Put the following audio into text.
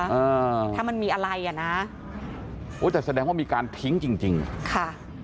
อ่าถ้ามันมีอะไรอ่ะนะโอ้แต่แสดงว่ามีการทิ้งจริงจริงค่ะ